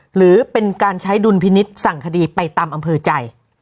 หรือเป็นการใช้ดุลพินิษฐ์สั่งคดีไปตามอำเภอใจ